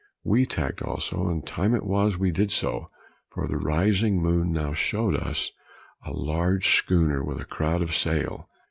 We tacked also, and time it was we did so, for the rising moon now showed us a large schooner with a crowd of sail.